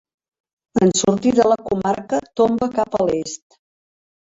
En sortir de la comarca tomba cap a l'est.